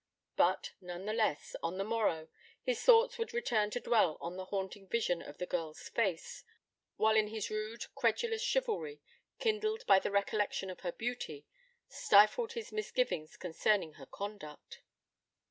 But, none the less, on the morrow, his thoughts would return to dwell on the haunting vision of the girl's face, while his own rude, credulous chivalry, kindled by the recollection of her beauty, stifled his misgivings concerning her conduct.